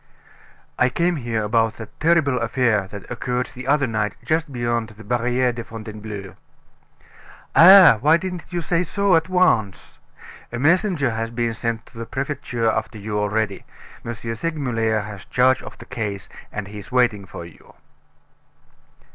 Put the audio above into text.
"I came here about that terrible affair that occurred the other night just beyond the Barriere de Fontainebleau." "Eh! Why didn't you say so at once? A messenger has been sent to the prefecture after you already. M. Segmuller has charge of the case, and he's waiting for you."